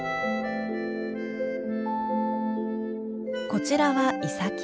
こちらはイサキ。